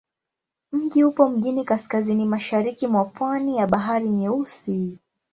Mji upo mjini kaskazini-mashariki mwa pwani ya Bahari Nyeusi.